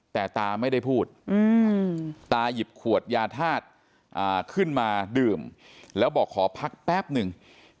แต่ตาไม่ได้พูดตาหยิบขวดยาธาตุขึ้นมาดื่มแล้วบอกขอพักแป๊บหนึ่ง